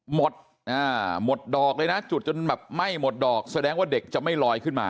หมดหมดดอกเลยนะจุดจนแบบไหม้หมดดอกแสดงว่าเด็กจะไม่ลอยขึ้นมา